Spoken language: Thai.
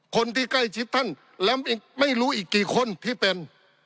คนที่ใกล้ชิดท่านแล้วไม่รู้อีกกี่คนที่เป็น